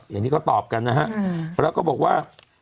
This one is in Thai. อย่างที่เขาตอบกันนะฮะแล้วก็บอกว่า